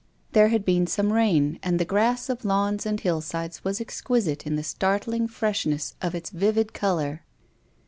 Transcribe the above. There had been some rain and the grass of lawns and hillsides was exquisite in the startling freshness of its vivid colour.